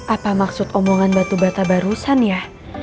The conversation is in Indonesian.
apa maksud omongan batu bata barusan ya